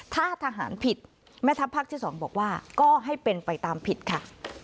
ถ้าทหารผิดแม่ทัพภาคที่๒บอกว่าก็ให้เป็นไปตามผิดค่ะ